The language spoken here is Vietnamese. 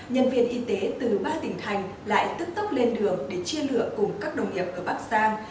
nhân viên y tế từ ba tỉnh thành lại tức tốc lên đường để chia lửa cùng các đồng nghiệp ở bắc giang